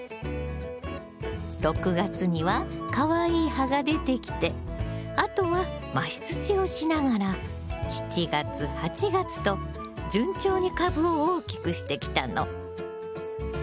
６月にはかわいい葉が出てきてあとは増し土をしながら７月８月と順調に株を大きくしてきたの。